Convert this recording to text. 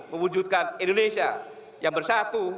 mewujudkan indonesia yang bersatu